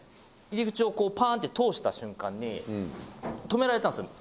入り口をこうパーンって通した瞬間に止められたんですよ